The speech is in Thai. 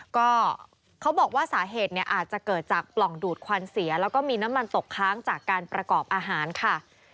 ก็เขาบอกว่าสาเหตุเนี่ยอาจจะเกิดจากปล่องดูดควันเสียแล้วก็มีน้ำมันตกค้างจากการประกอบอาหารค่ะ